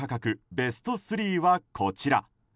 ベスト３はこちら。